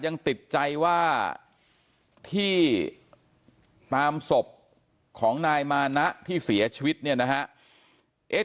ยังติดใจว่าที่ตามศพของนายมานะที่เสียชีวิตเนี่ยนะฮะ